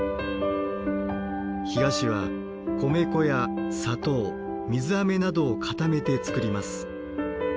干菓子は米粉や砂糖水あめなどを固めて作ります。